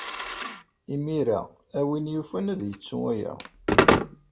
Imir-a, a win yufan ad yettu aya.